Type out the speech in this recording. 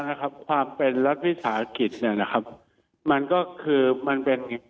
นะครับความเป็นรัฐวิสาหกิจเนี่ยนะครับมันก็คือมันเป็น